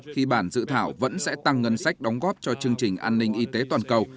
khi bản dự thảo vẫn sẽ tăng ngân sách đóng góp cho chương trình an ninh y tế toàn cầu